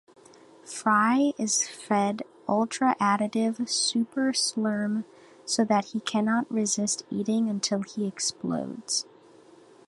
Fry is fed ultra-addictive "super-slurm", so that he cannot resist "eating until he explodes".